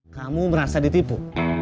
kamu merasa ditipu